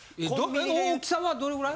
大きさはどれくらい？